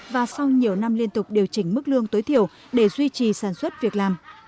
và sau nhiều năm liên tục điều chỉnh mức lương tối thiểu để duy trì sản xuất việc làm